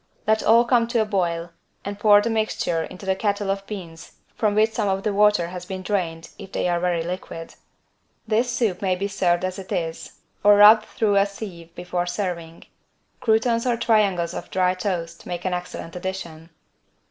Let all come to a boil and pour the mixture into the kettle of beans from which some of the water has been drained, if they are very liquid. This soup may be served as it is or rubbed through a sieve before serving. Croutons or triangles of dry toast make an excellent addition.